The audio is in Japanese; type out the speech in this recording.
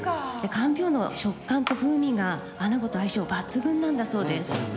かんぴょうの食感と風味が穴子と相性抜群なんだそうです。